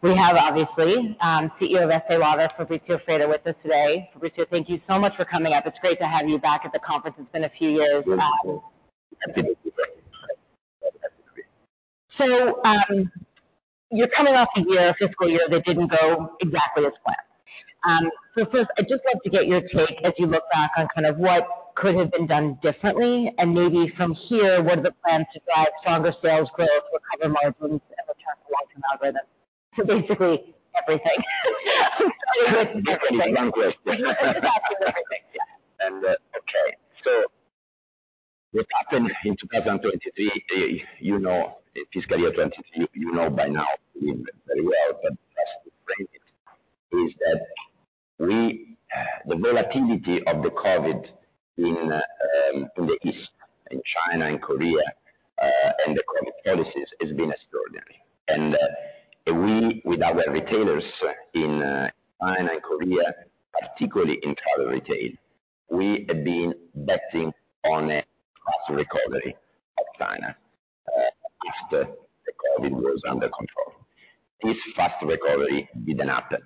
We have obviously, CEO of Estée Lauder, Fabrizio Freda, with us today. Fabrizio, thank you so much for coming up. It's great to have you back at the conference. It's been a few years. You're coming off a year, a fiscal year, that didn't go exactly as planned. So first, I'd just like to get your take as you look back on kind of what could have been done differently, and maybe from here, what are the plans to drive stronger sales growth, recover margins, and attract lifetime algorithm? So basically, everything. Yes. Everything. One question. Everything. Okay. What happened in 2023, you know, fiscal year 2023, you know by now very well, but is that we, the volatility of the COVID in, in the East, in China and Korea, and the COVID crisis has been extraordinary. We, with our retailers in, China and Korea, particularly in Travel Retail, we have been betting on a fast recovery of China, after the COVID was under control. This fast recovery didn't happen,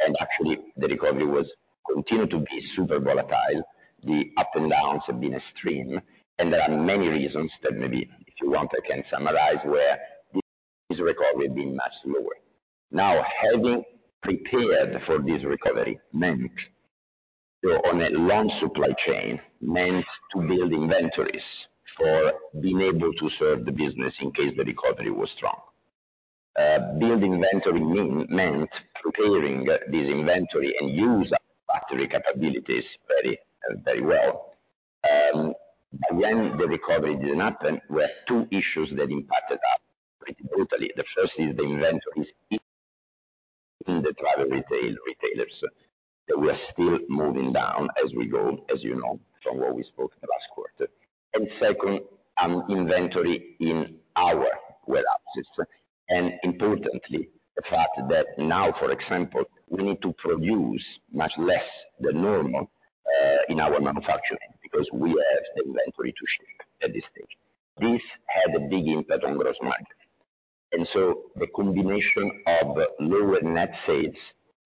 and actually, the recovery was continued to be super volatile. The ups and downs have been extreme, and there are many reasons that maybe, if you want, I can summarize where this recovery has been much lower. Now, having prepared for this recovery meant on a long supply chain, meant to build inventories for being able to serve the business in case the recovery was strong. Meant preparing this inventory and use our factory capabilities very, very well. But when the recovery didn't happen, we had two issues that impacted us pretty brutally. The first is the inventories in the Travel Retail retailers, that we are still moving down as we go, as you know, from what we spoke in the last quarter. And second, inventory in our warehouses. And importantly, the fact that now, for example, we need to produce much less than normal, in our manufacturing because we have the inventory to ship at this stage. This had a big impact on gross margin, and so the combination of lower net sales.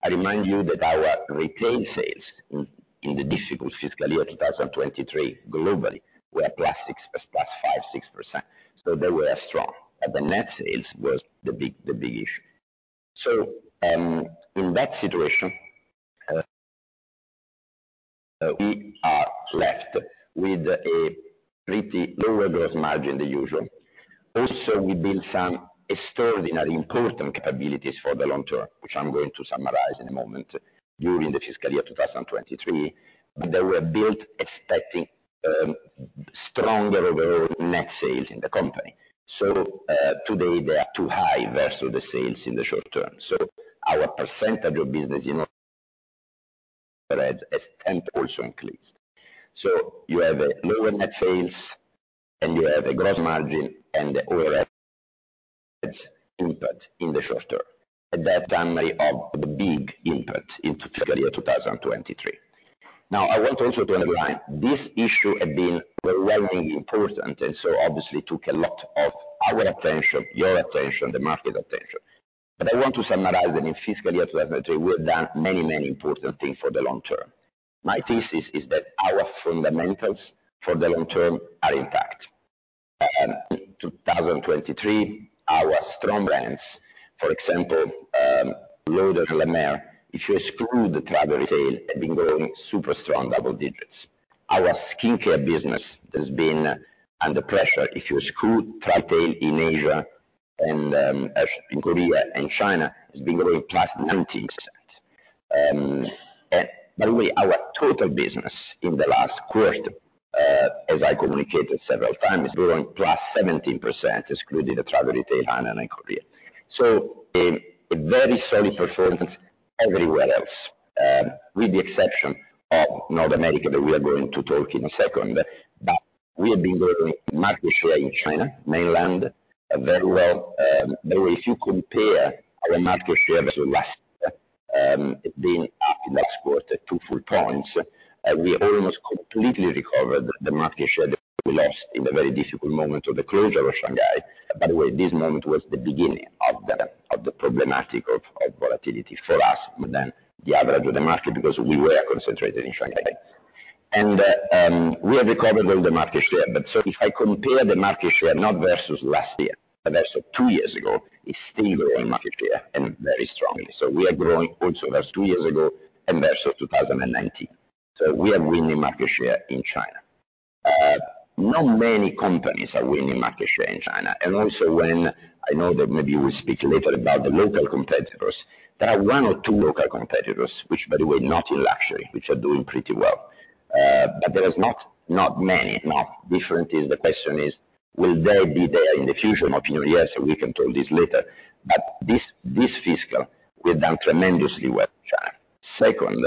I remind you that our retail sales in the difficult fiscal year 2023, globally, were +5%-6%, so they were strong, but the net sales was the big, the big issue. So, in that situation, we are left with a pretty lower gross margin than usual. Also, we built some extraordinary important capabilities for the long term, which I'm going to summarize in a moment, during the fiscal year 2023, but they were built expecting, stronger overall net sales in the company. So, today they are too high versus the sales in the short term. So our percentage of business, you know, has also increased. So you have a lower net sales, and you have a gross margin and the overall impact in the short term. That's a summary of the big impact into fiscal year 2023. Now, I want also to underline, this issue had been overwhelmingly important, and so obviously took a lot of our attention, your attention, the market attention. But I want to summarize that in fiscal year 2023, we have done many, many important things for the long term. My thesis is that our fundamentals for the long term are intact. 2023, our strong brands, for example, Estée Lauder, La Mer, if you exclude the Travel Retail, have been growing super strong, double digits. Our skincare business has been under pressure. If you exclude Travel Retail in Asia and, as in Korea and China, it's been growing +19%. By the way, our total business in the last quarter, as I communicated several times, is growing plus 17%, excluding the Travel Retail China and Korea. So a very solid performance everywhere else, with the exception of North America, that we are going to talk in a second. But we have been growing market share in Mainland China very well. But if you compare our market share versus last year, it being up last quarter two full points, we almost completely recovered the market share that we lost in the very difficult moment of the closure of Shanghai. By the way, this moment was the beginning of the problem of volatility for us, but then the average of the market, because we were concentrated in Shanghai. And we have recovered all the market share. But so if I compare the market share, not versus last year, but versus two years ago, it's still growing market share and very strongly. So we are growing also versus two years ago and versus 2019. So we are winning market share in China. Not many companies are winning market share in China. And also when... I know that maybe we'll speak later about the local competitors. There are one or two local competitors, which, by the way, not in luxury, which are doing pretty well, but there is not, not many, not different. The question is, will they be there in the future? My opinion, yes, we can talk this later, but this, this fiscal, we've done tremendously well in China. Second,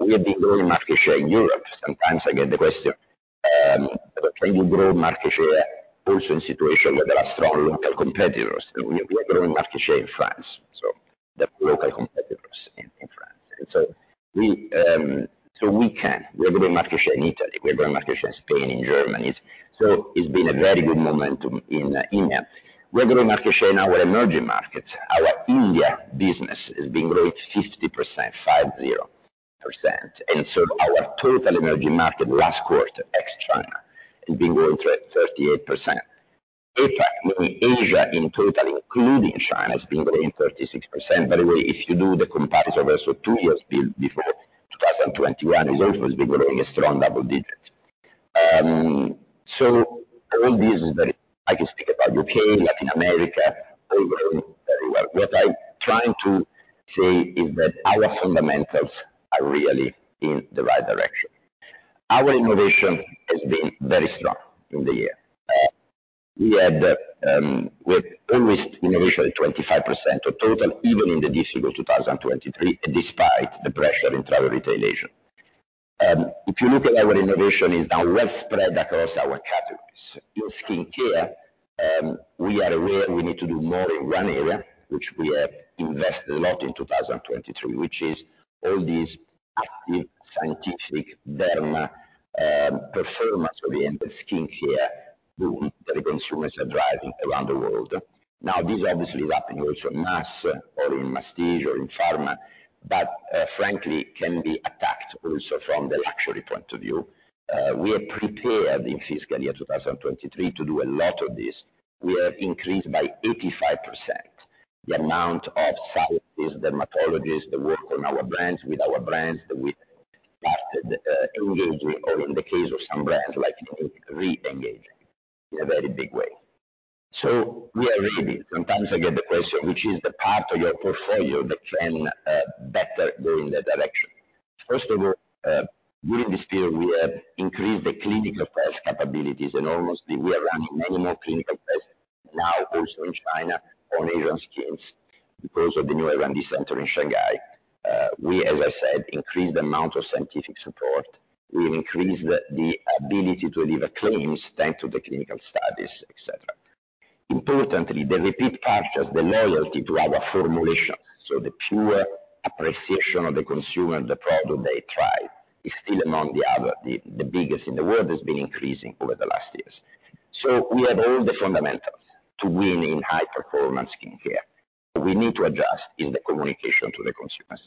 we have been growing market share in Europe. Sometimes I get the question, can you grow market share also in situation where there are strong local competitors? We are growing market share in France, so the local competitors.... We, so we can. We are growing market share in Italy, we are growing market share in Spain and Germany. So it's been a very good momentum in India. We're growing market share in our emerging markets. Our India business has been growing 50%, 50%, and so our total emerging market last quarter, ex China, has been growing 38%. APAC, meaning Asia in total, including China, has been growing 36%. By the way, if you do the comparison also two years before, 2021, it's also has been growing a strong double digits. So all this is very. I can speak about U.K., Latin America, we're growing very well. What I'm trying to say is that our fundamentals are really in the right direction. Our innovation has been very strong in the year. We had, we're almost innovation at 25% of total, even in the fiscal 2023, despite the pressure in Travel Retail Asia. If you look at our innovation is now well spread across our categories. In skincare, we are aware we need to do more in one area, which we have invested a lot in 2023, which is all these active scientific derma, performance-oriented skincare boom that the consumers are driving around the world. Now, this obviously is happening also in mass or in prestige or in pharma, but, frankly, can be attacked also from the luxury point of view. We are prepared in fiscal year 2023 to do a lot of this. We have increased by 85% the amount of scientists, dermatologists, that work on our brands, with our brands, that we started engaging, or in the case of some brands, like Clinique, re-engaging in a very big way. So we are ready. Sometimes I get the question, which is the part of your portfolio that can better go in that direction? First of all, during this period, we have increased the clinical test capabilities enormously. We are running many more clinical tests now, also in China, on Asian skins, because of the new R&D center in Shanghai. We, as I said, increased the amount of scientific support. We've increased the ability to deliver claims, thanks to the clinical studies, et cetera. Importantly, the repeat purchase, the loyalty to our formulation, so the pure appreciation of the consumer, the product they try, is still among the other, the biggest in the world, has been increasing over the last years. So we have all the fundamentals to win in high-performance skincare. We need to adjust in the communication to the consumers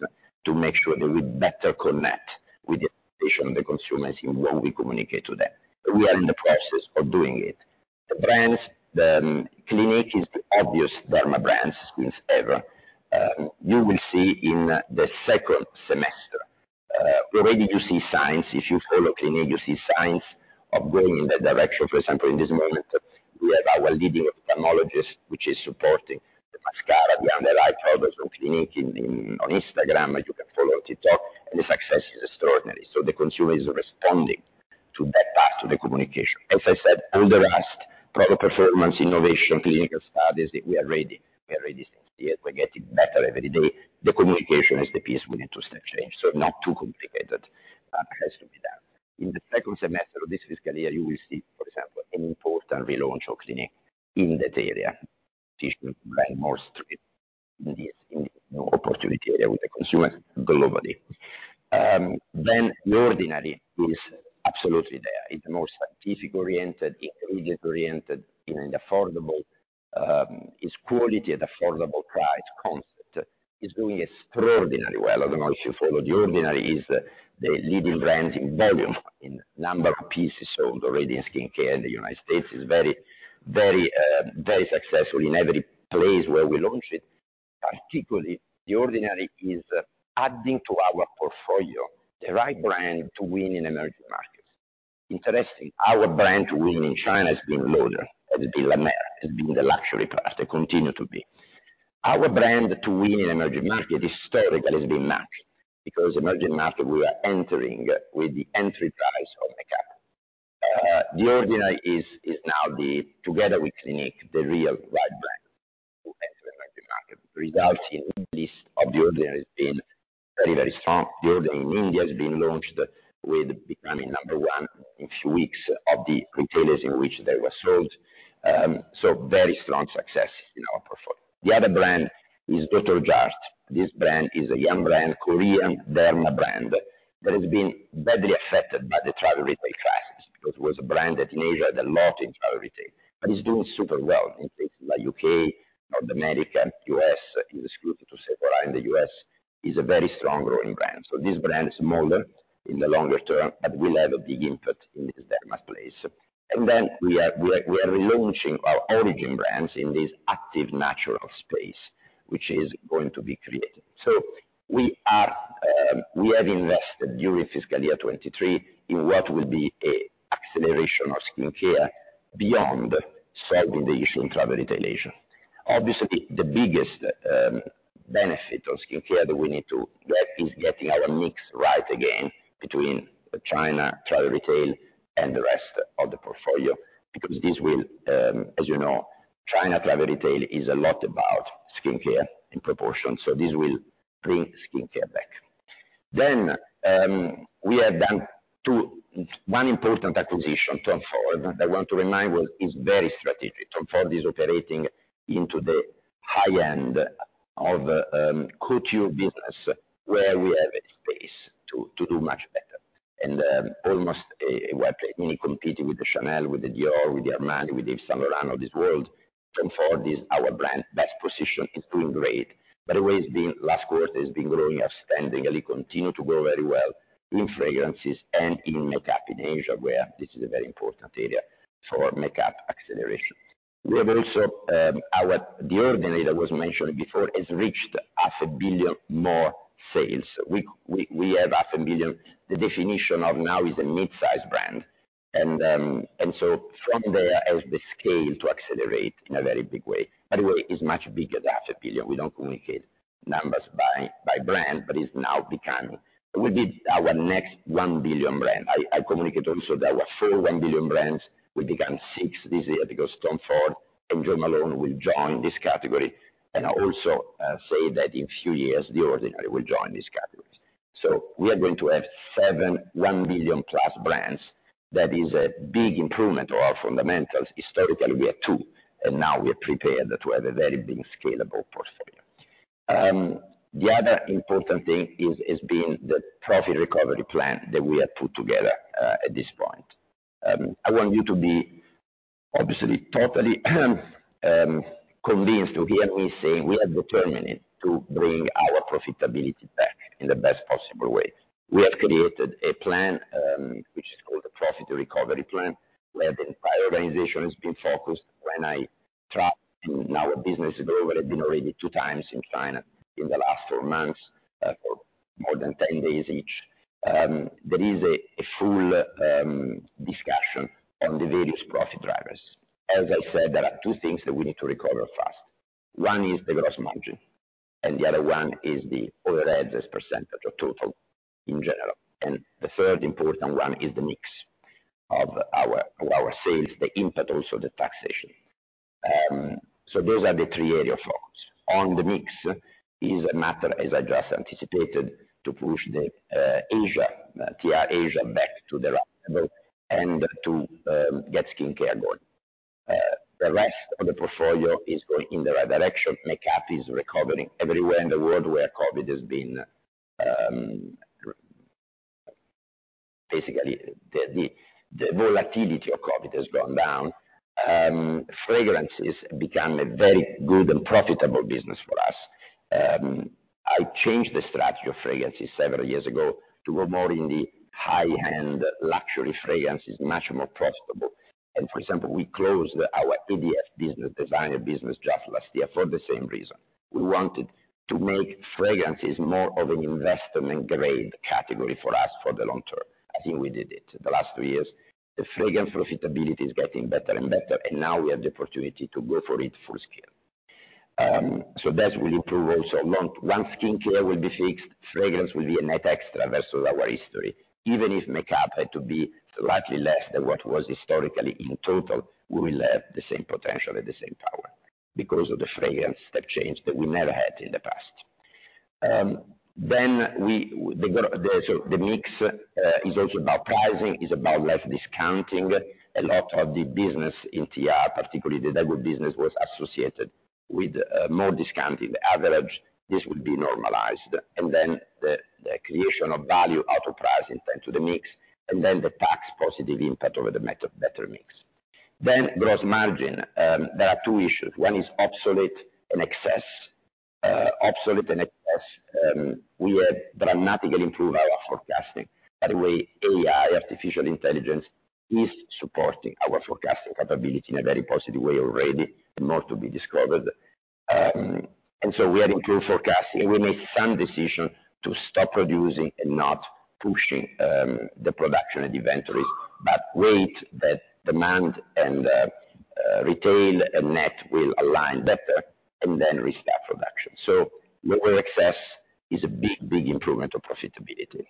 to make sure that we better connect with the expectation of the consumers in what we communicate to them. We are in the process of doing it. The brands, Clinique is the obvious derma brand since ever. You will see in the second semester already you see signs. If you follow Clinique, you see signs of going in that direction. For example, in this moment, we have our leading ophthalmologist, which is supporting the mascara, the under eye products from Clinique in the, on Instagram, and you can follow on TikTok, and the success is extraordinary. So the consumer is responding to that part of the communication. As I said, all the rest, product performance, innovation, clinical studies, we are ready. We are ready this year. We're getting better every day. The communication is the piece we need to step change, so not too complicated, but has to be done. In the second semester of this fiscal year, you will see, for example, an important relaunch of Clinique in that area. Brand more street in this, in opportunity area with the consumer globally. Then The Ordinary is absolutely there. It's the most scientific-oriented, ingredient-oriented, in an affordable, It's quality at affordable price concept. It's doing extraordinarily well. I don't know if you follow The Ordinary. It is the leading brand in volume, in number of pieces sold already in skincare in the United States. It's very, very, very successful in every place where we launch it. Particularly, The Ordinary is adding to our portfolio, the right brand to win in emerging markets. Interesting, our brand to win in China has been Estée Lauder, has been La Mer, has been the luxury part, and continue to be. Our brand to win in emerging market, historically, has been MAC, because emerging market we are entering with the entry price of makeup. The Ordinary is now the, together with Clinique, the real right brand to enter the emerging market. Results in India of The Ordinary has been very, very strong. The Ordinary in India has been launched with becoming number one in few weeks of the retailers in which they were sold. So very strong success in our portfolio. The other brand is Dr.Jart+. This brand is a young brand, Korean derma brand, that has been badly affected by the Travel Retail crisis, because it was a brand that in Asia had a lot in Travel Retail, but is doing super well in places like U.K., North America, U.S., in exclusive to Sephora in the U.S., is a very strong growing brand. So this brand is smaller in the longer term, but will have a big input in this derma place. And then we are relaunching our Origins brands in this active natural space, which is going to be created. So we are, we have invested during fiscal year 2023 in what will be an acceleration of skincare beyond solving the issue in Travel Retail Asia. Obviously, the biggest benefit of skincare that we need to get is getting our mix right again between China Travel Retail and the rest of the portfolio, because this will, as you know, China Travel Retail is a lot about skincare in proportion, so this will bring skincare back. Then, we have done one important acquisition, TOM FORD. I want to remind you, [TOM FORD] is very strategic. TOM FORD is operating into the high end of, couture business, where we have a space to do much better. And, almost a really competing with the CHANEL, with the Dior, with the Armani, with the Yves Saint Laurent of this world. TOM FORD is our brand best position, it's doing great, but always been, last quarter has been growing outstanding, and it continue to go very well in fragrances and in makeup in Asia, where this is a very important area for makeup acceleration. We have also, The Ordinary that was mentioned before, has reached $500 million more sales. We have $500 million. The definition of now is a mid-size brand, and so from there, as the scale to accelerate in a very big way, by the way, it's much bigger than $500 million. We don't communicate numbers by brand, but it's now becoming. Will be our next $1 billion brand. I communicate also there were four $1 billion brands. We become six this year because TOM FORD and Jo Malone will join this category, and I also say that in a few years, The Ordinary will join these categories. So we are going to have seven one billion plus brands. That is a big improvement of our fundamentals. Historically, we are two, and now we are prepared to have a very big scalable portfolio. The other important thing is, has been the Profit Recovery Plan that we have put together at this point. I want you to be obviously totally convinced to hear me say we are determined to bring our profitability back in the best possible way. We have created a plan, which is called the Profit Recovery Plan, where the entire organization has been focused. When I travel, and now business has already been already two times in China in the last four months, for more than 10 days each, there is a full discussion on the various profit drivers. As I said, there are two things that we need to recover fast. One is the gross margin, and the other one is the overheads as percentage of total in general. And the third important one is the mix of our, of our sales, the impact also, the taxation. So those are the three area of focus. On the mix is a matter, as I just anticipated, to push the Asia, TR Asia back to the and to get skincare going. The rest of the portfolio is going in the right direction. Makeup is recovering everywhere in the world where COVID has been, basically, the volatility of COVID has gone down. Fragrances become a very good and profitable business for us. I changed the strategy of fragrances several years ago to go more in the high-end luxury fragrances, much more profitable. And for example, we closed our ADF business, designer business, just last year for the same reason. We wanted to make fragrances more of an investment-grade category for us for the long term. I think we did it. The last two years, the fragrance profitability is getting better and better, and now we have the opportunity to go for it full scale. So that will improve also. Once skincare will be fixed, fragrance will be a net extra versus our history. Even if makeup had to be slightly less than what was historically in total, we will have the same potential and the same power, because of the fragrance that changed, that we never had in the past. So the mix is also about pricing, is about less discounting. A lot of the business in TR, particularly the ADF business, was associated with more discounting. The average, this will be normalized, and then the creation of value out of pricing into the mix, and then the tax positive impact over the better mix. Then gross margin, there are two issues. One is obsolete and excess. Obsolete and excess, we have dramatically improved our forecasting. By the way, AI, artificial intelligence, is supporting our forecasting capability in a very positive way already, more to be discovered. And so we are in full forecasting, and we made some decision to stop producing and not pushing the production and inventories, but wait, that demand and retail and net will align better and then restart production. So lower excess is a big, big improvement of profitability.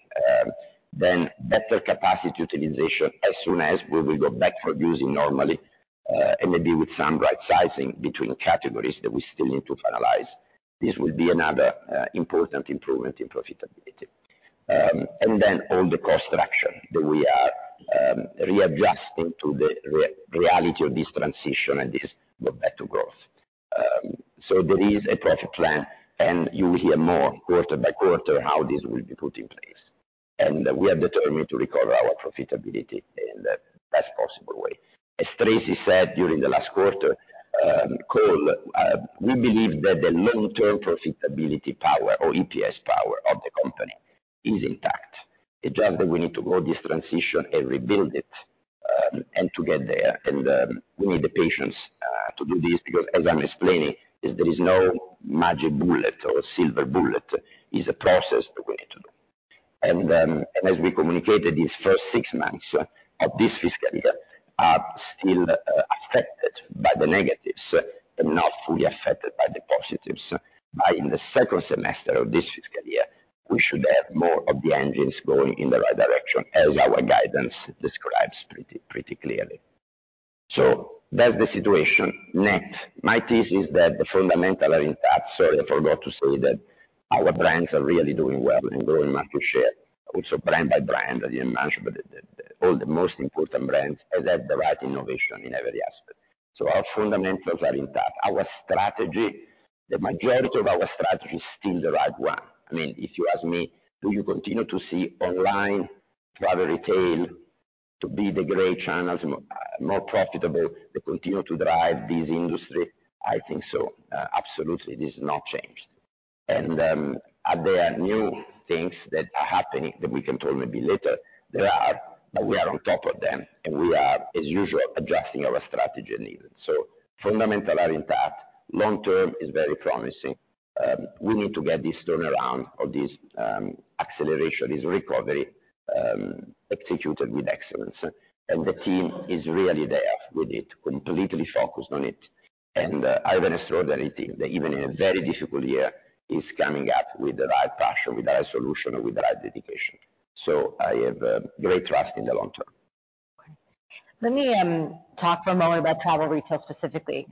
Then better capacity utilization as soon as we will go back for using normally, and maybe with some right sizing between categories that we still need to finalize. This will be another important improvement in profitability. And then all the cost structure that we are readjusting to the re-reality of this transition and this go back to growth. So there is a profit plan, and you will hear more quarter by quarter, how this will be put in place. And we are determined to recover our profitability in the best possible way. As Tracy said during the last quarter, call, we believe that the long-term profitability, power, or EPS power of the company is intact. It's just that we need to go this transition and rebuild it, and to get there. We need the patience to do this, because as I'm explaining, there is no magic bullet or silver bullet. It's a process that we need to do. And as we communicated, these first six months of this fiscal year are still, affected by the negatives, but not fully affected by the positives. In the second semester of this fiscal year, we should have more of the engines going in the right direction, as our guidance describes pretty, pretty clearly. So that's the situation. Next, my thesis is that the fundamentals are intact. Sorry, I forgot to say that our brands are really doing well and growing market share, also brand by brand, I didn't mention, but all the most important brands has had the right innovation in every aspect. So our fundamentals are intact. Our strategy, the majority of our strategy is still the right one. I mean, if you ask me, do you continue to see online Travel Retail to be the great channels, more profitable, they continue to drive this industry? I think so. Absolutely, this has not changed. And, are there new things that are happening that we can talk maybe later? There are, but we are on top of them, and we are, as usual, adjusting our strategy needed. So fundamental are intact, long term is very promising. We need to get this turnaround or this, acceleration, this recovery, executed with excellence. And the team is really there with it, completely focused on it. And, I have an extraordinary team, that even in a very difficult year, is coming up with the right passion, with the right solution, and with the right dedication. So I have, great trust in the long term. Let me talk for a moment about Travel Retail specifically.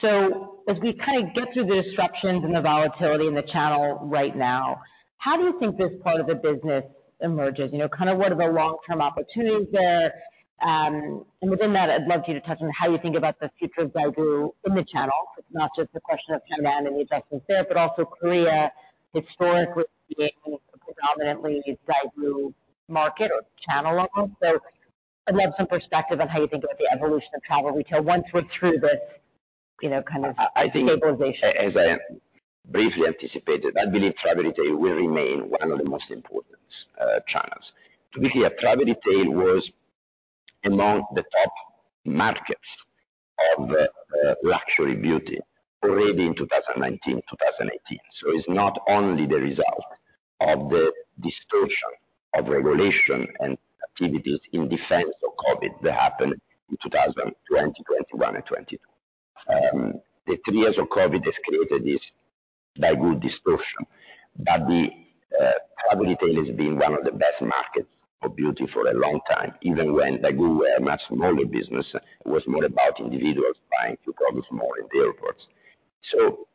So as we kind of get through the disruptions and the volatility in the channel right now, how do you think this part of the business emerges? You know, kind of what are the long-term opportunities there, and within that, I'd love you to touch on how you think about the future of Daigou in the channel. It's not just a question of China and the adjustments there, but also Korea historically being a predominantly Daigou market or channel level. So I'd love some perspective on how you think about the evolution of Travel Retail once we're through this, you know, kind of stabilization. I think, as I briefly anticipated, I believe Travel Retail will remain one of the most important channels. To be clear, Travel Retail was among the top markets of luxury beauty already in 2019, 2018. So it's not only the result of the distortion of regulation and activities in defense of COVID that happened in 2020, 2021, and 2022. The three years of COVID has created this Daigou distortion, but the Travel Retail has been one of the best markets for beauty for a long time, even when Daigou were a much smaller business, was more about individuals buying few products more in the airports. So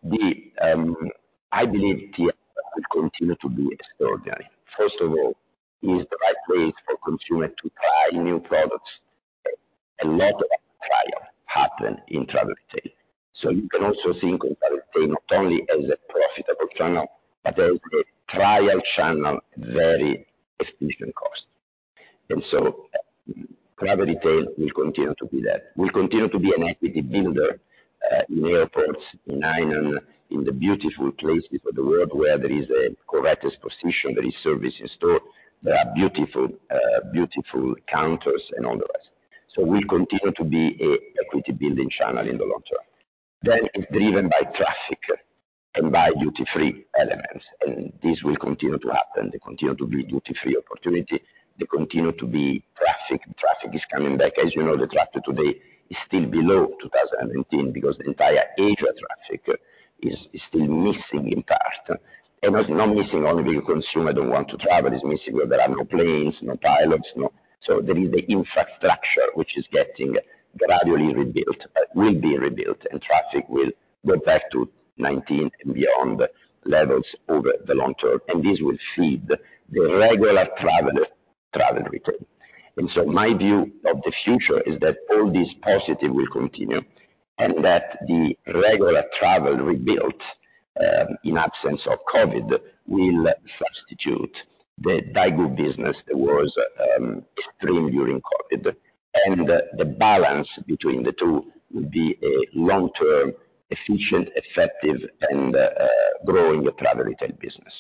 I believe TR will continue to be extraordinary. First of all, it is the right place for consumer to try new products. A lot of trial happen in Travel Retail, so you can also think of Travel Retail not only as a profitable channel, but as a trial channel, very efficient cost. And so Travel Retail will continue to be there. Will continue to be an equity builder in airports, in Hainan, in the beautiful places of the world where there is a correct exposition, there is service in store, there are beautiful, beautiful counters and all the rest. So we continue to be a equity building channel in the long term. Then it's driven by traffic and by duty-free elements, and this will continue to happen. There continue to be duty-free opportunity. There continue to be traffic. Traffic is coming back. As you know, the traffic today is still below 2018 because the entire Asia traffic is still missing in part. It was not missing only the consumer don't want to travel, is missing where there are no planes, no pilots. So there is the infrastructure which is getting gradually rebuilt, will be rebuilt, and traffic will go back to 2019 and beyond levels over the long term, and this will feed the regular travel, Travel Retail. So my view of the future is that all this positive will continue, and that the regular travel rebuilt, in absence of COVID, will substitute the Daigou business that was extreme during COVID. And the balance between the two will be a long-term, efficient, effective, and growing Travel Retail business.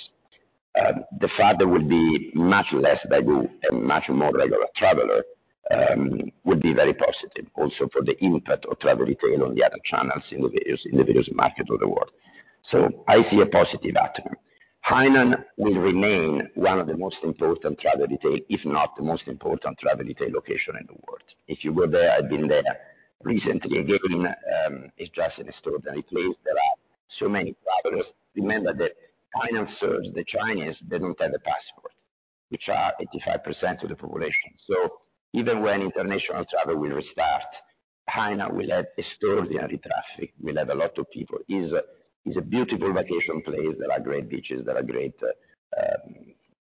The fact there will be much less Daigou and much more regular traveler would be very positive also for the impact of Travel Retail on the other channels in the various markets of the world. So I see a positive outcome. Hainan will remain one of the most important Travel Retail, if not the most important Travel Retail location in the world. If you were there, I've been there recently, again, it's just an extraordinary place. There are so many travelers. Remember that Hainan serves the Chinese that don't have a passport, which are 85% of the population. So even when international travel will restart, Hainan will have extraordinary traffic, will have a lot of people. It is a beautiful vacation place. There are great beaches, there are great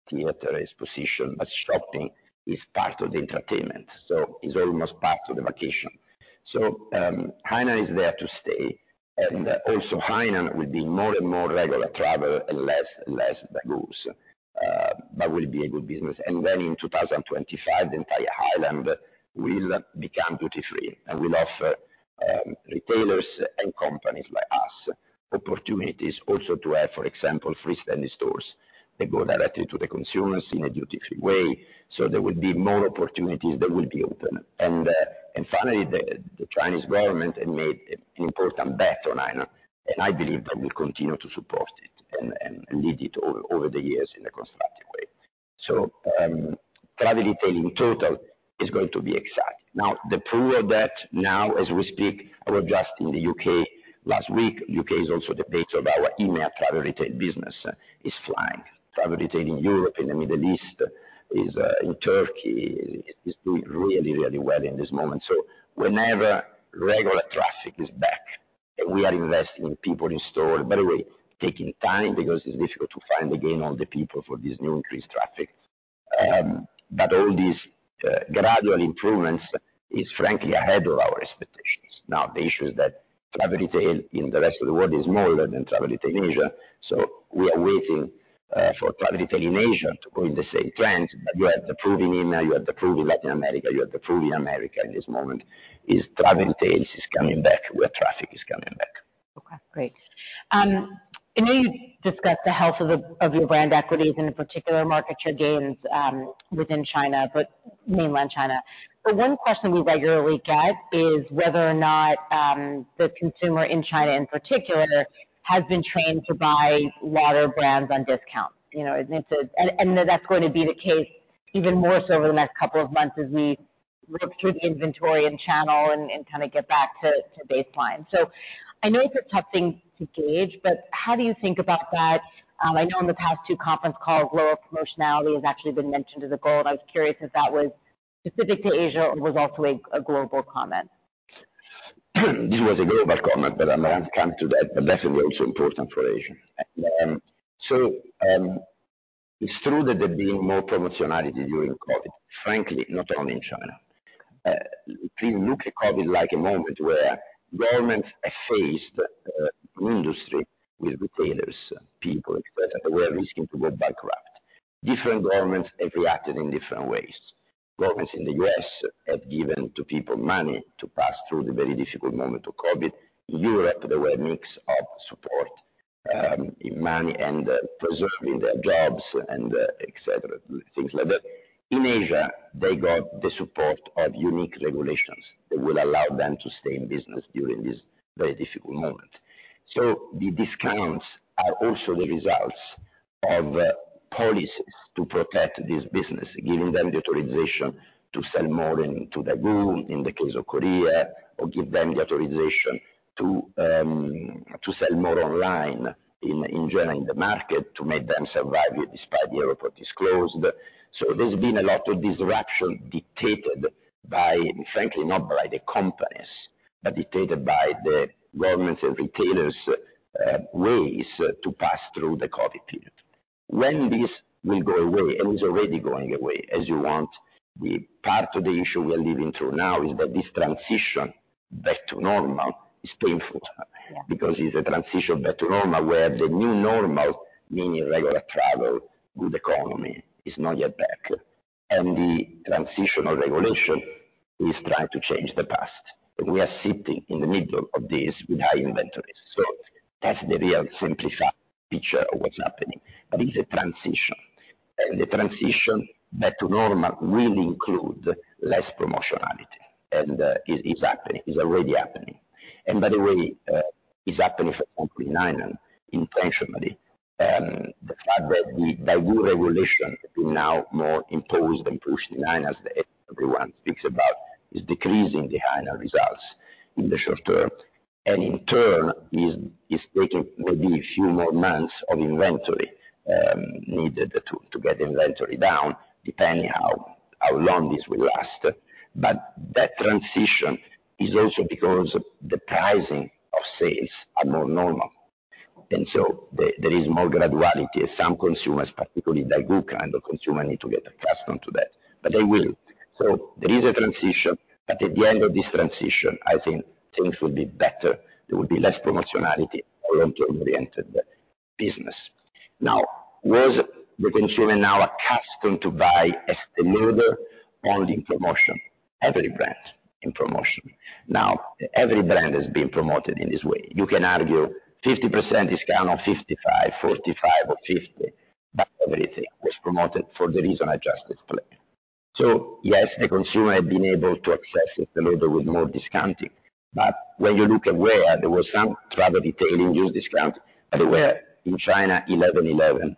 theater exposition, but shopping is part of the entertainment, so it's almost part of the vacation. So, Hainan is there to stay, and also Hainan will be more and more regular travel and less Daigous, but will be a good business. And then in 2025, the entire island will become duty-free and will offer retailers and companies like us opportunities also to have, for example, freestanding stores that go directly to the consumers in a duty-free way. So there will be more opportunities that will be open. And finally, the Chinese government had made an important bet on Hainan, and I believe they will continue to support it and lead it over the years in a constructive way. So, Travel Retail in total is going to be exciting. Now, the proof of that, now as we speak, I was just in the U.K. last week. U.K. is also the base of our EMEA Travel Retail business, is flying. Travel retail in Europe, in the Middle East, is, in Turkey, is doing really, really well in this moment. So whenever regular traffic is back. And we are investing in people in store. By the way, taking time, because it's difficult to find again, all the people for this new increased traffic. But all these gradual improvements is frankly ahead of our expectations. Now, the issue is that Travel Retail in the rest of the world is smaller than Travel Retail in Asia. So we are waiting for Travel Retail in Asia to go in the same trend. You have the proof in EMEA, you have the proof in Latin America, you have the proof in Americas at this moment. Travel Retail is coming back, where traffic is coming back. Okay, great. I know you've discussed the health of your brand equities, and in particular market share gains, within China, but Mainland China. But one question we regularly get is whether or not the consumer in China in particular has been trained to buy Lauder brands on discount. You know, and that's going to be the case even more so over the next couple of months as we work through the inventory and channel and kind of get back to baseline. So I know it's a tough thing to gauge, but how do you think about that? I know in the past two conference calls, lower promotionality has actually been mentioned as a goal, and I was curious if that was specific to Asia or it was also a global comment? This was a global comment, but I'm going to come to that, but that's also important for Asia. And so, it's true that there being more promotionality during COVID, frankly, not only in China. If you look at COVID like a moment where governments are faced, industry with retailers, people, etcetera, were risking to go bankrupt. Different governments have reacted in different ways. Governments in the U.S. have given to people money to pass through the very difficult moment of COVID. Europe, there were a mix of support, money and preserving their jobs and, et cetera, things like that. In Asia, they got the support of unique regulations that will allow them to stay in business during this very difficult moment. So the discounts are also the results of policies to protect this business, giving them the authorization to sell more into Daigou, in the case of Korea, or give them the authorization to sell more online in general, in the market, to make them survive despite the airport is closed. So there's been a lot of disruption dictated by... frankly, not by the companies, but dictated by the governments and retailers ways to pass through the COVID period. When this will go away, and it's already going away, as you want, the part of the issue we're living through now is that this transition back to normal is painful. Yeah. Because it's a transition back to normal, where the new normal, meaning regular travel, good economy, is not yet back. The transitional regulation is trying to change the past. We are sitting in the middle of this with high inventories. So that's the real simplified picture of what's happening. But it's a transition. The transition back to normal will include less promotionality, and is happening, is already happening. By the way, is happening for company-wide, intentionally. The fact that the Daigou regulation is now more imposed and pushed wide, as everyone speaks about, is decreasing the Hainan results in the short term, and in turn, is taking maybe a few more months of inventory needed to get inventory down, depending how long this will last. But that transition is also because the pricing of sales are more normal, and so there, there is more graduality. Some consumers, particularly Daigou kind of consumer, need to get accustomed to that, but they will. So there is a transition, but at the end of this transition, I think things will be better. There will be less promotionality, oriented business. Now, was the consumer now accustomed to buy Estée Lauder only in promotion, every brand in promotion? Now, every brand is being promoted in this way. You can argue 50% discount on 55%, 45% or 50%, but everything was promoted for the reason I just explained. So yes, the consumer has been able to access Estée Lauder with more discounting, but when you look at where there was some Travel Retail in use discount, but where in China, 11.11,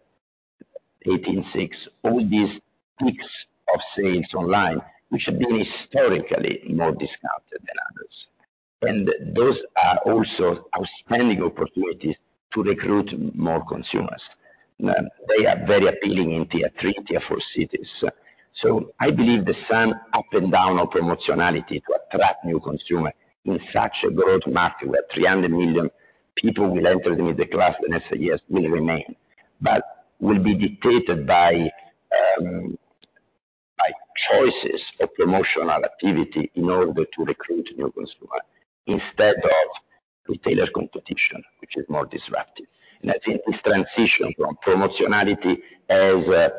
6.18, all these peaks of sales online, which have been historically more discounted than others. And those are also outstanding opportunities to recruit more consumers. They are very appealing in tier three, tier four cities. So I believe the ups and downs of promotionality to attract new consumer in such a broad market, where 300 million people will enter the middle class in the next years, will remain, but will be dictated by, by choices of promotional activity in order to recruit new consumer, instead of retailer competition, which is more disruptive. I think this transition from promotionality as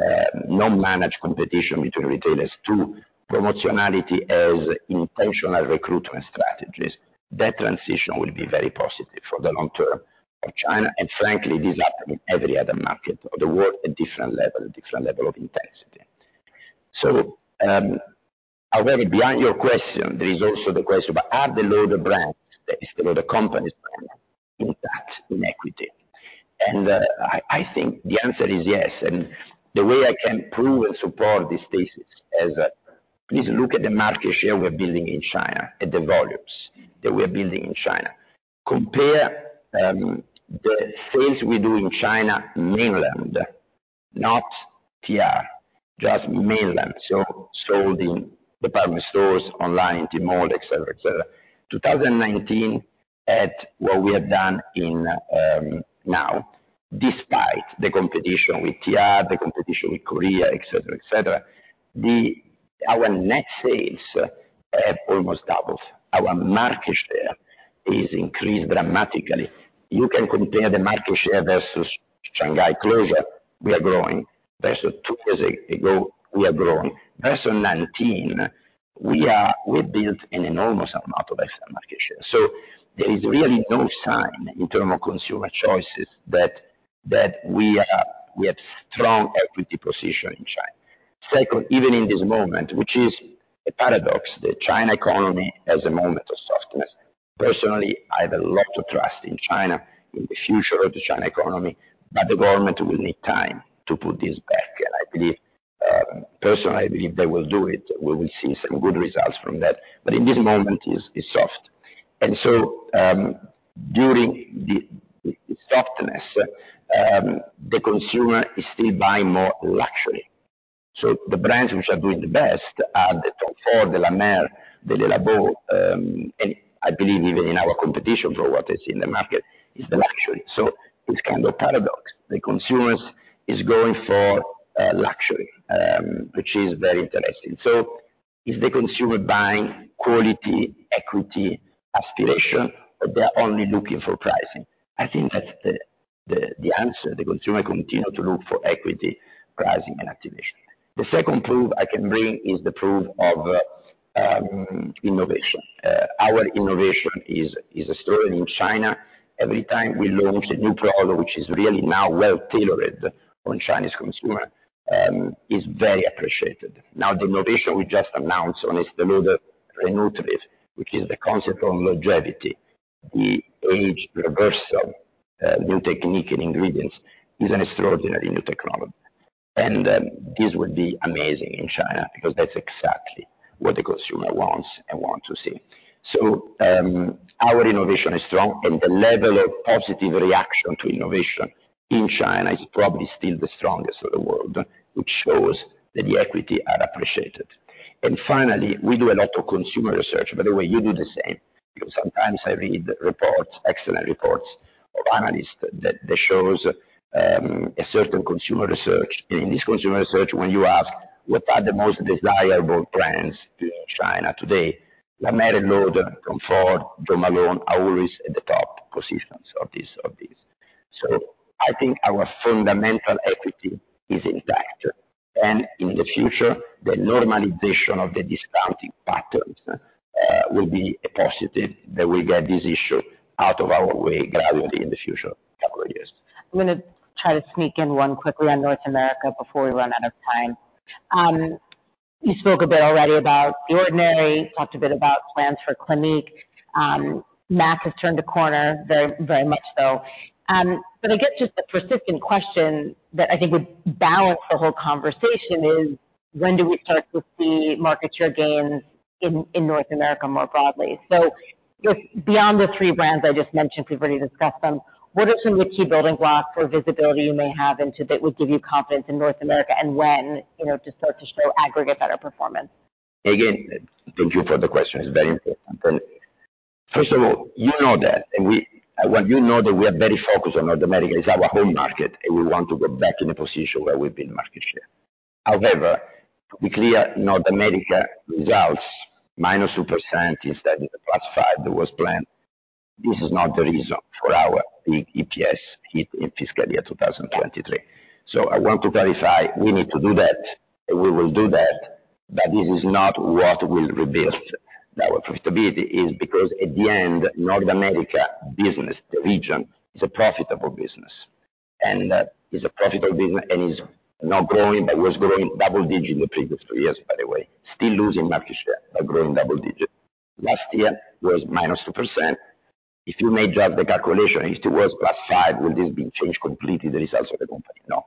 a non-managed competition between retailers to promotionality as intentional recruitment strategies, that transition will be very positive for the long term of China. And frankly, this happened in every other market of the world, a different level, different level of intensity. So, already beyond your question, there is also the question, but are the Lauder brands, the Lauder companies in that, in equity? And I think the answer is yes, and the way I can prove and support this thesis is, please look at the market share we're building in China, at the volumes that we're building in China. Compare the sales we do in China mainland, not TR, just mainland. So sold in department stores, online, Tmall, et cetera, et cetera. 2019 had what we have done in now, despite the competition with TR, the competition with Korea, et cetera, et cetera, the our net sales have almost doubled. Our market share is increased dramatically. You can compare the market share versus Shanghai closure, we are growing. Versus two years ago, we are growing. Versus 2019, we are we built an enormous amount of extra market share. So there is really no sign in terms of consumer choices that, that we are, we have strong equity position in China. Second, even in this moment, which is a paradox, the China economy has a moment of softness. Personally, I have a lot of trust in China, in the future of the China economy, but the government will need time to put this back, and I believe, personally, I believe they will do it. We will see some good results from that, but in this moment, it's soft. And so, during the softness, the consumer is still buying more luxury. So the brands which are doing the best are the TOM FORD, the La Mer, the Le Labo, and I believe even in our competition for what is in the market, is the luxury. So it's kind of paradox. The consumers is going for luxury, which is very interesting. So is the consumer buying quality, equity, aspiration, or they're only looking for pricing? I think that's the answer. The consumer continue to look for equity, pricing and activation. The second proof I can bring is the proof of innovation. Our innovation is extraordinary in China. Every time we launch a new product, which is really now well tailored on Chinese consumer, is very appreciated. Now, the innovation we just announced on Estée Lauder Re-Nutriv, which is the concept on longevity, the age reversal, new technique and ingredients, is an extraordinary new technology. This would be amazing in China because that's exactly what the consumer wants and want to see. Our innovation is strong, and the level of positive reaction to innovation in China is probably still the strongest in the world, which shows that the equity are appreciated. And finally, we do a lot of consumer research. By the way, you do the same, because sometimes I read reports, excellent reports of analysts, that, that shows, a certain consumer research. In this consumer research, when you ask, "What are the most desirable brands in China today?" La Mer, Lauder, TOM FORD, Jo Malone, are always at the top consistently of this, of this. So I think our fundamental equity is intact, and in the future, the normalization of the discounting patterns will be a positive, that we get this issue out of our way gradually in the future, couple of years. I'm gonna try to sneak in one quickly on North America before we run out of time. You spoke a bit already about The Ordinary, talked a bit about plans for Clinique. MAC has turned a corner, very, very much so. But I guess just the persistent question that I think would balance the whole conversation is: when do we start to see market share gains in, in North America more broadly? So just beyond the three brands I just mentioned, we've already discussed them, what are some of the key building blocks or visibility you may have into that would give you confidence in North America, and when, you know, to start to show aggregate better performance? Again, thank you for the question. It's very important. First of all, you know that we are very focused on North America. It's our home market, and we want to go back in a position where we've been market share. However, be clear, North America results -2% instead of +5% that was planned, this is not the reason for our big EPS hit in fiscal year 2023. So I want to clarify, we need to do that, and we will do that, but this is not what will rebuild our profitability, is because at the end, North America business, the region, is a profitable business. And is a profitable business and is not growing, but was growing double-digit in the previous three years, by the way, still losing market share, but growing double-digit. Last year was −2%. If you made just the calculation, if it was +5%, will this be changed completely the results of the company? No.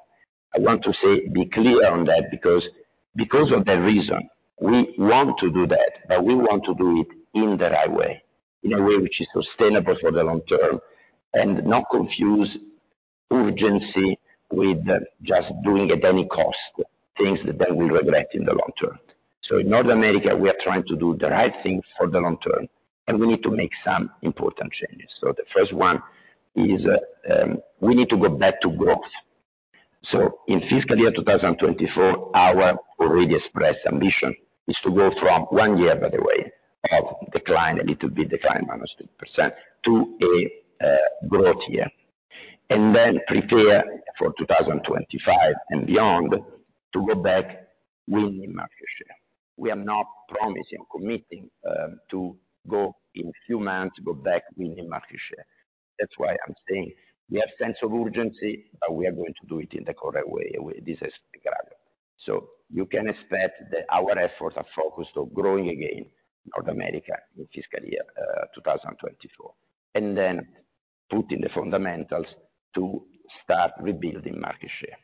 I want to say, be clear on that, because, because of the reason we want to do that, but we want to do it in the right way, in a way which is sustainable for the long term, and not confuse urgency with just doing at any cost, things that then we regret in the long term. So in North America, we are trying to do the right thing for the long term, and we need to make some important changes. So the first one is, we need to go back to growth. So in fiscal year 2024, our already expressed ambition is to go from one year, by the way, of decline, a little bit decline, -2%, to a growth year, and then prepare for 2025 and beyond to go back winning market share. We are not promising, committing to go in few months, go back winning market share. That's why I'm saying we have sense of urgency, but we are going to do it in the correct way, this is gradual. So you can expect that our efforts are focused on growing again North America in fiscal year 2024, and then putting the fundamentals to start rebuilding market share.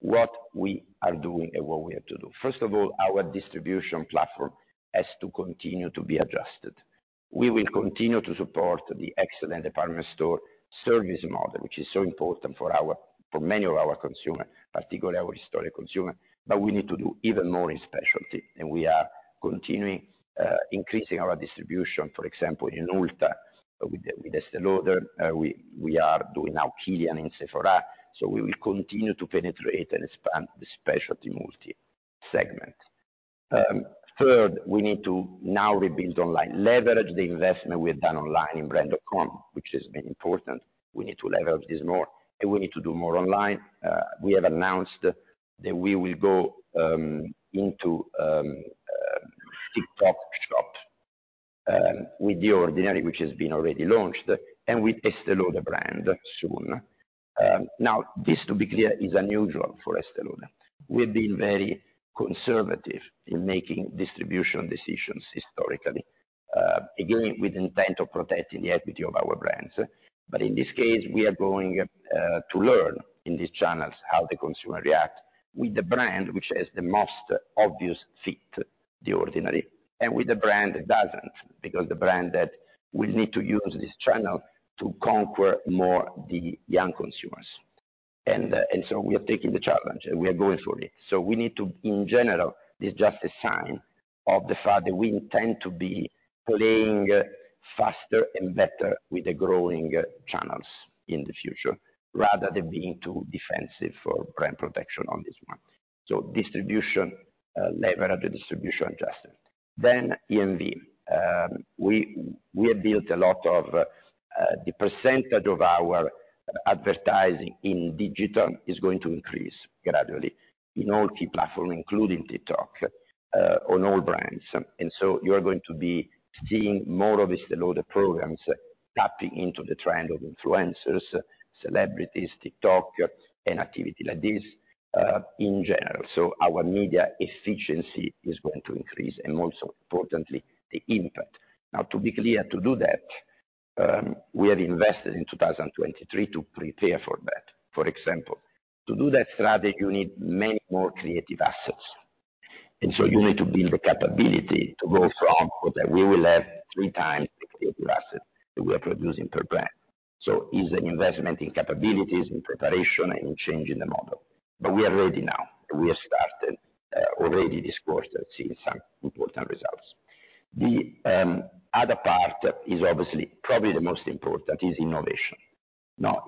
What we are doing and what we have to do? First of all, our distribution platform has to continue to be adjusted. We will continue to support the excellent department store service model, which is so important for our, for many of our consumers, particularly our historic consumer. But we need to do even more in specialty, and we are continuing increasing our distribution, for example, in Ulta with the, with Estée Lauder. We are doing now Kilian in Sephora, so we will continue to penetrate and expand the specialty multi segment. Third, we need to now rebuild online, leverage the investment we have done online in brand.com, which has been important. We need to leverage this more, and we need to do more online. We have announced that we will go into TikTok Shop with The Ordinary, which has been already launched, and with Estée Lauder brand soon. Now this, to be clear, is a new job for Estée Lauder. We've been very conservative in making distribution decisions historically, again, with intent of protecting the equity of our brands. But in this case, we are going to learn in these channels how the consumer react with the brand, which has the most obvious fit, The Ordinary, and with the brand, it doesn't, because the brand that will need to use this channel to conquer more the young consumers. And, and so we are taking the challenge, and we are going for it. So we need to... In general, this is just a sign of the fact that we intend to be playing faster and better with the growing channels in the future, rather than being too defensive for brand protection on this one. So distribution, leverage the distribution adjustment. Then EMV. We have built a lot of the percentage of our advertising in digital is going to increase gradually in all key platforms, including TikTok, on all brands. And so you are going to be seeing more of Estée Lauder programs tapping into the trend of influencers, celebrities, TikTok, and activity like this, in general. So our media efficiency is going to increase and most importantly, the impact. Now, to be clear, to do that, we have invested in 2023 to prepare for that. For example, to do that strategy, you need many more creative assets, and so you need to build the capability to go from that. We will have three times the creative asset that we are producing per brand. So it is an investment in capabilities, in preparation, and in changing the model. But we are ready now. We have started already this quarter, seeing some important results. The other part is obviously probably the most important, is innovation. Now,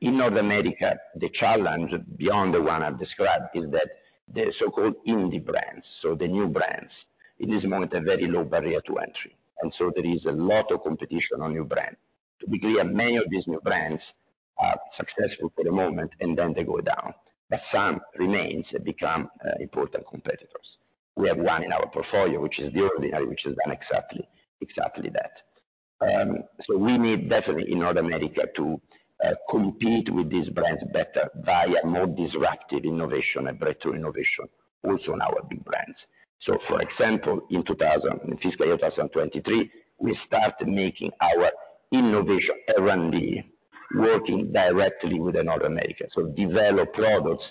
in North America, the challenge beyond the one I've described is that the so-called indie brands, so the new brands, it is moment, a very low barrier to entry, and so there is a lot of competition on new brand. To be clear, many of these new brands are successful for the moment, and then they go down, but some remains and become important competitors. We have one in our portfolio, which is The Ordinary, which has done exactly, exactly that. So we need definitely in North America to compete with these brands better via more disruptive innovation and breakthrough innovation also on our big brands. So for example, in 2000... In Fiscal 2023, we started making our innovation R&D, working directly with the North America, so develop products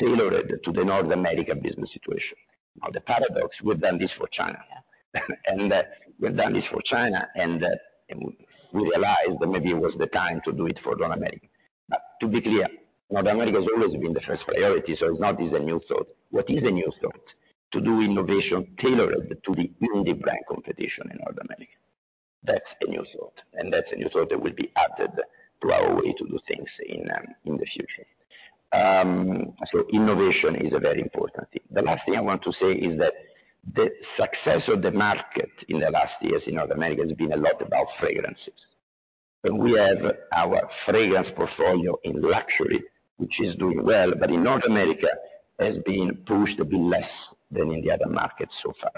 tailored to the North American business situation. Now, the paradox, we've done this for China, and we've done this for China, and we realized that maybe it was the time to do it for North America. But to be clear, North America has always been the first priority, so it's not a new thought. What is a new thought? To do innovation tailored to the indie brand competition in North America. That's a new thought, and that's a new thought that will be added to our way to do things in the future. So innovation is a very important thing. The last thing I want to say is that the success of the market in the last years in North America has been a lot about fragrances. And we have our fragrance portfolio in luxury, which is doing well, but in North America, has been pushed a bit less than in the other markets so far.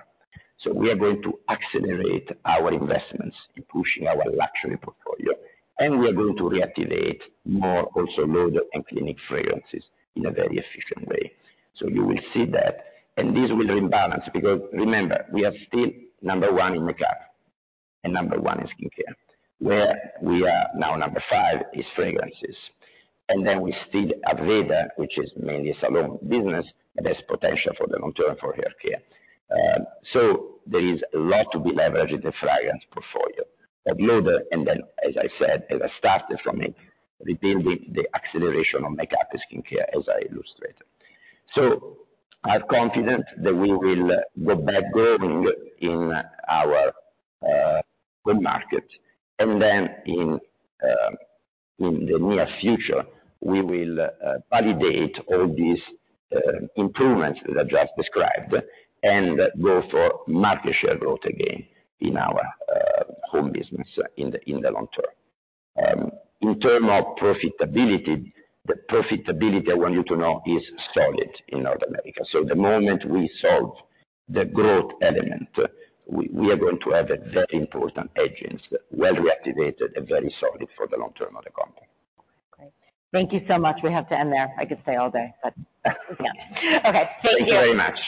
So we are going to accelerate our investments in pushing our luxury portfolio, and we are going to reactivate more also Lauder and Clinique fragrances in a very efficient way. So you will see that, and this will rebalance, because remember, we are still number one in makeup and number one in skincare. Where we are now number five is fragrances, and then we still Aveda, which is mainly salon business, and there's potential for the long term for hair care. So there is a lot to be leveraged in the fragrance portfolio at Lauder, and then, as I said, as I started from it, rebuilding the acceleration of makeup and skincare as I illustrated. So I'm confident that we will go back growing in our home market, and then in the near future, we will validate all these improvements that I just described and go for market share growth again in our home business in the long term. In term of profitability, the profitability I want you to know is solid in North America. So the moment we solve the growth element, we are going to have a very important agents, well reactivated and very solid for the long term of the company. Great. Thank you so much. We have to end there. I could stay all day, but yeah. Okay, thank you. Thank you very much.